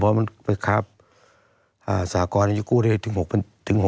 เพราะมันครับสหกรอยู่กู้ได้ถึง๖อาหาร